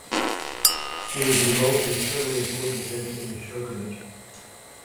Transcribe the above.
He was involved in several important events in the shogunate.